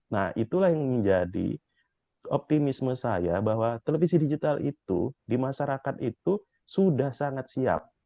nah itulah yang menjadi optimisme saya bahwa televisi digital itu di masyarakat itu sudah sangat siap